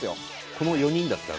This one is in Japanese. この４人だったら？